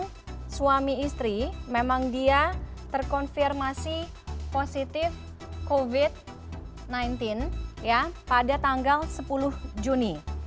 kalau suami istri memang dia terkonfirmasi positif covid sembilan belas pada tanggal sepuluh juni